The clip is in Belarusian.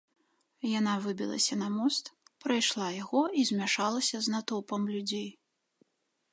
Яна выбілася на мост, прайшла яго і змяшалася з натоўпам людзей.